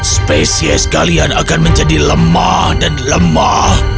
spesies kalian akan menjadi lemah dan lemah